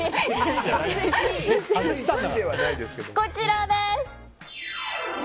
こちらです！